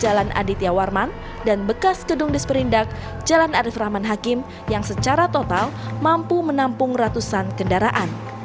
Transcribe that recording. jalan aditya warman dan bekas gedung disperindak jalan arief rahman hakim yang secara total mampu menampung ratusan kendaraan